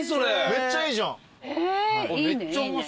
めっちゃいいじゃん。